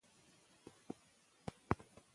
د پښتنو همت د تل لپاره ژوندی دی.